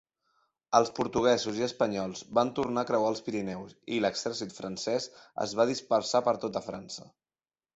Els portuguesos i espanyols van tornar a creuar els Pirineus i l'exèrcit francès es va dispersar per tota França.